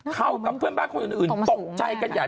ทำกับเพื่อนบ้านคนอื่นตกใจกันใหญ่